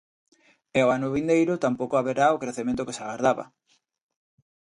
E o ano vindeiro, tampouco haberá o crecemento que se agardaba.